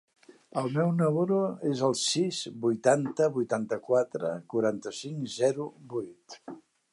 El meu número es el sis, vuitanta, vuitanta-quatre, quaranta-cinc, zero, vuit.